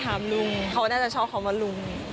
สักทีเขาตอบให้แล้วว่าคะ